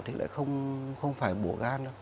thì lại không phải bổ gan